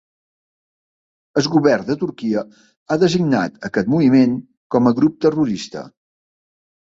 El govern de Turquia ha designat aquest moviment com a grup terrorista.